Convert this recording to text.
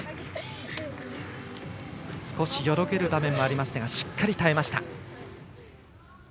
少しよろける場面もありましたがしっかり耐えました。